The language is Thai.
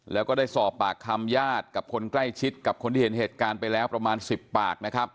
แล้วก็ได้สอบปากคำญาติกับคนใกล้ชิดกับคนที่เห็นเหตุการณ์ไปแล้วประมาณ๑๐ปากนะครับ